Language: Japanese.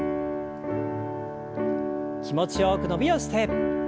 気持ちよく伸びをして。